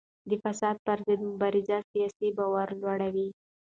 د فساد پر ضد مبارزه سیاسي باور لوړوي